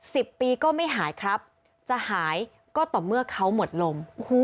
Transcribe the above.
สิบปีก็ไม่หายครับจะหายก็ต่อเมื่อเขาหมดลม